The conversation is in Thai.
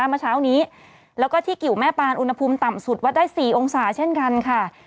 เมื่อเช้านี้แล้วก็ที่กิวแม่ปานอุณหภูมิต่ำสุดวัดได้๔องศาเช่นกันค่ะ